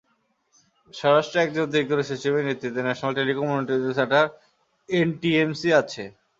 স্বরাষ্ট্রের একজন অতিরিক্ত সচিবের নেতৃত্বে national telecom monitoring centre NTMC আছে।